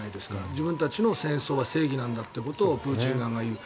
自分たちの戦争は正義なんだということをプーチン側が言う。